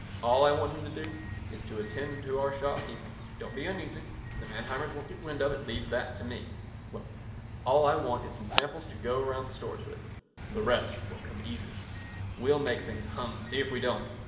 All I want him to do is to attend to our shop evenings. Don't be uneasy: the Manheimers won't get wind of it. Leave that to me. Well, all I want is some samples to go around the stores with. The rest will come easy. We'll make things hum. See if we don't.